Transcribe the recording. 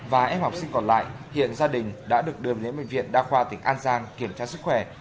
và em học sinh còn lại hiện gia đình đã được đưa đến bệnh viện đa khoa tỉnh an giang kiểm tra sức khỏe